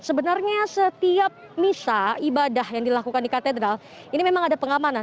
sebenarnya setiap misa ibadah yang dilakukan di katedral ini memang ada pengamanan